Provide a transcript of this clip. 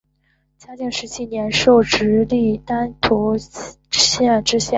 嘉靖十七年授直隶丹徒县知县。